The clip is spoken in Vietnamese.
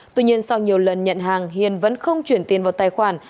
tuy nhiên sau nhiều lần nhận hàng hiền vẫn không chuyển tiền vào tài khoản